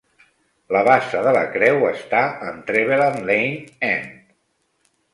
La base de la creu està en Trevellan Lane End.